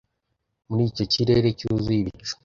Muri icyo kirere cyuzuye ibicu